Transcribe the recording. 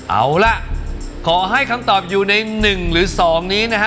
เอาล่ะขอให้คำตอบอยู่ใน๑หรือ๒นี้นะฮะ